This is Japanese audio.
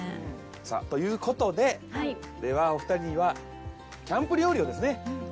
さあという事でではお二人にはキャンプ料理をですね